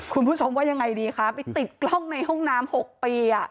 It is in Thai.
คุณผู้ชมว่ายังไงดีคะไปติดกล้องในห้องน้ำ๖ปี